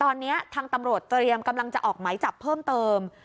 ตอนนี้ทางตำรวจเตรียมกำลังจะออกไหมจับเพิ่มเติม